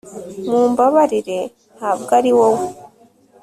Mumbabarire ntabwo ari Wowe